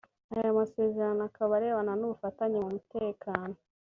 Aya masezerano akaba arebana n’ubufatanye mu mutekano